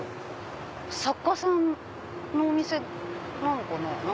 作家さんのお店なのかな？